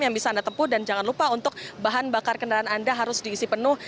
yang bisa anda tempuh dan jangan lupa untuk bahan bakar kendaraan anda harus diisi penuh